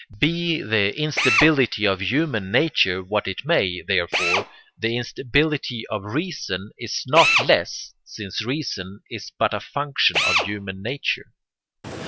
Be the instability of human nature what it may, therefore, the instability of reason is not less, since reason is but a function of human nature.